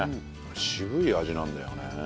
渋い味なんだよね。